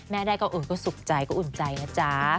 แม้ได้ก็สุขใจอุ่นใจแล้วจ๊ะ